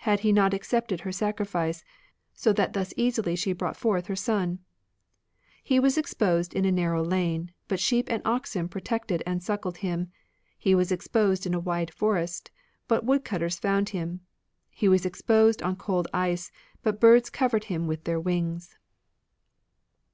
Had He not accepted her sacrifice, So that thus easily she brought forth her son 7 He was exposed in a narrow lane. But sheep and oxen protected and suckled him; He was exposed in a wide forest. But woodcutters found him ; He was exposed on cold ice. But birds covered him with their wings.